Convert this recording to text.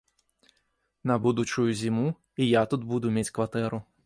На будучую зіму і я тут буду мець кватэру.